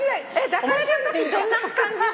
抱かれてるときどんな感じ？